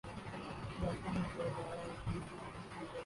اضافی مقدار بھی شامل کی جاتی